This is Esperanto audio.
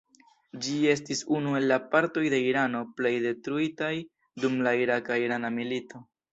Ĝi estis unu el la partoj de Irano plej detruitaj dum la iraka-irana milito.